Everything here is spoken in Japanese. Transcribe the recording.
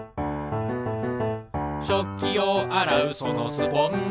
「しょっきをあらうそのスポンジ」